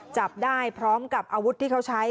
จับได้พร้อมกับอาวุธที่เขาใช้